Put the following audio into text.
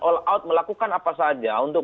all out melakukan apa saja untuk